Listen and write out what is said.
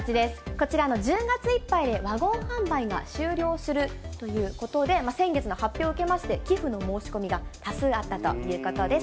こちら、１０月いっぱいでワゴン販売が終了するということで、先月の発表を受けまして、寄付の申し込みが多数あったということです。